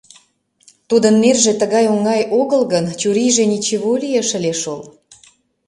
Тудын нерже тыгай оҥай огыл гын, чурийже ничего лиеш ыле шол.